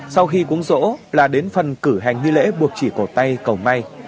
sau khi uống rỗ là đến phần cử hành nghi lễ buộc chỉ cổ tay cầu may